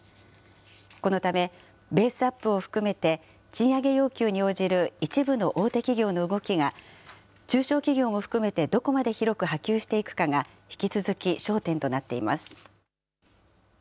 このため、ベースアップを含めて、賃上げ要求に応じる一部の大手企業の動きが、中小企業も含めてどこまで広く波及していくかが、引き続き焦点となっています。